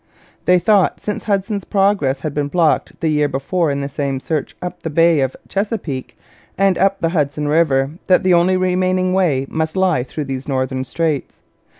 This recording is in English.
They thought, since Hudson's progress had been blocked the year before in the same search up the bay of Chesapeake and up the Hudson river, that the only remaining way must lie through these northern straits.